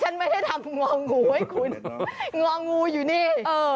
งองูอยู่นี่